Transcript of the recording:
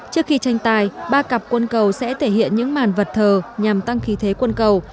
trước khi tranh tài ba cặp quân cầu sẽ thể hiện những màn vật thờ nhằm tăng khí thế quân cầu